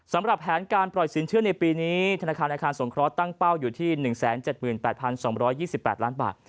สำหรับแผนการปล่อยสินเชื่อในปีนี้ธนาคารอาคารสงเคราะห์ตั้งเป้าอยู่ที่๑๗๘๒๒๘ล้านบาท